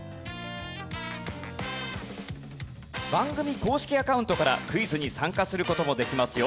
番組公式アカウントからクイズに参加する事もできますよ。